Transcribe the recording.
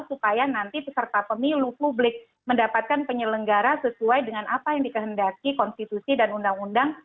supaya nanti peserta pemilu publik mendapatkan penyelenggara sesuai dengan apa yang dikehendaki konstitusi dan undang undang